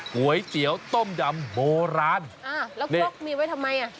ก๋วยเตี๋ยวต้มยำโบราณอ่าแล้วก๊อกมีไว้ทำไมอ่ะ